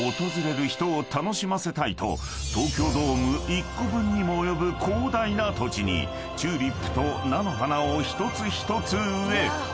［と東京ドーム１個分にも及ぶ広大な土地にチューリップと菜の花を一つ一つ植え］